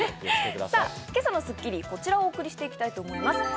今朝の『スッキリ』はこちらをお送りしていきたいと思います。